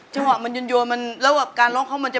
จังหวะมันยนต์โยนมันแล้วการร้องเข้ามันจะ